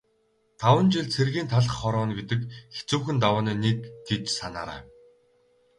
Таван жил цэргийн талх хорооно гэдэг хэцүүхэн давааны нэг гэж санаарай.